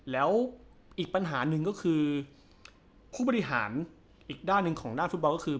แล้วอีกปัญหาหนึ่งก็คือผู้บริหารอีกด้านหนึ่งของด้านฟุตบอลก็คือ